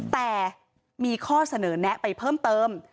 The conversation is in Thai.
แต่มีข้อเสนอแนะไปเพิ่มเติม